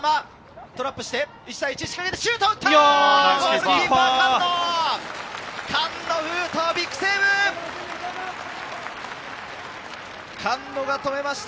トラップして、１対１、仕掛けてシュートを打った！